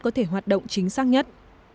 có thể hoạt động chính xác nhất